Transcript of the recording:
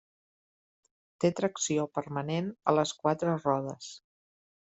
Té tracció permanent a les quatre rodes.